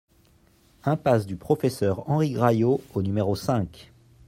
Impasse du Professeur Henri Graillot au numéro cinq